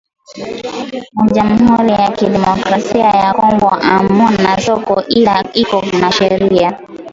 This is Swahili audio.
Mu jamhuri ya kidemocrasia ya kongo amuna soko ile iko na sheria